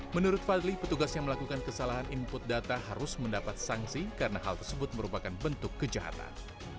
menurut fadli petugas yang melakukan kesalahan input data harus mendapat sanksi karena hal tersebut merupakan bentuk kejahatan